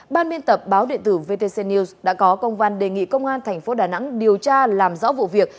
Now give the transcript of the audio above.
ban biên tập báo địa tử vtc news đã có công văn đề nghị công an thành phố đà nẵng điều tra làm rõ vụ việc